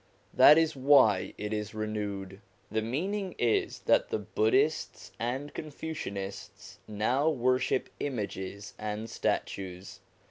That is why it is renewed. The meaning is that the Buddhists and Confucianists now worship images and statues.